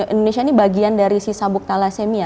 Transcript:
indonesia ini bagian dari si sabuk thalassemia